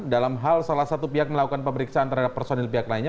dalam hal salah satu pihak melakukan pemeriksaan terhadap personil pihak lainnya